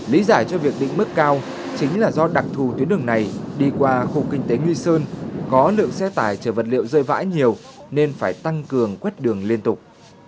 lý giải cho việc định mức cao chính là do đặc thù tuyến đường này đi qua khu kinh tế nghi sơn có lượng xe tải chở vật liệu rơi vãi nhiều nên phải tăng cường quét đường liên tục